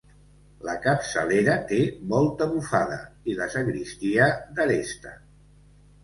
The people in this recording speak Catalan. La capçalera té volta bufada, i la sagristia d'aresta.